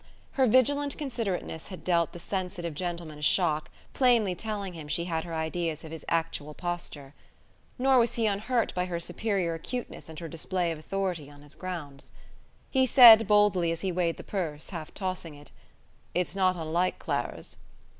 Her vigilant considerateness had dealt the sensitive gentleman a shock, plainly telling him she had her ideas of his actual posture. Nor was he unhurt by her superior acuteness and her display of authority on his grounds. He said, boldly, as he weighed the purse, half tossing it: "It's not unlike Clara's."